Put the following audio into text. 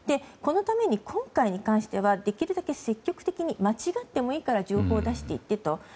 このために、今回に関してはできるだけ積極的に間違ってもいいから情報を出していくと。